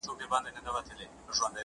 په دې سپي کي کمالونه معلومېږي،